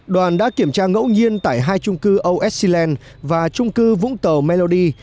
đoàn đã kiểm tra ngẫu nhiên tại hai trung cư osc land và trung cư vũng tàu melody